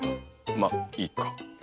まっいいか。